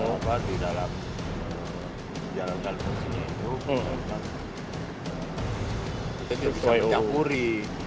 kalau di dalam jalankan versinya itu kita bisa mencampuri